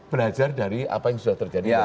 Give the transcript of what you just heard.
belajar dari apa yang sudah terjadi